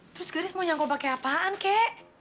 terus gadis mau nyangkul pakai apaan kek